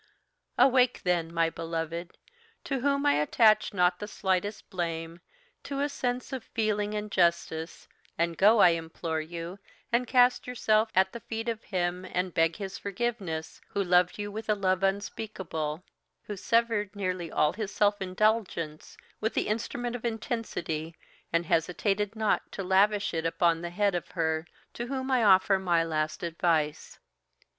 "Awake, then, my beloved, to whom I attach not the slightest blame, to a sense of feeling and justice, and go, I implore of you, and cast yourself at the feet of him and beg his forgiveness, who loved you with a love unspeakable who severed nearly all his self indulgence with the instrument of intensity and hesitated not to lavish it upon the head of her to whom I offer my last advice.